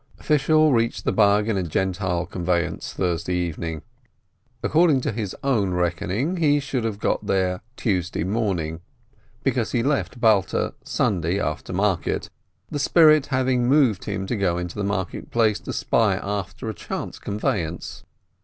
Fishel reached the Bug in a Gentile conveyance Thursday evening. According to his own reckoning, he should have got there Tuesday morning, because he left Balta Sunday after market, the spirit having moved him to go into the market place to spy after a chance conveyance.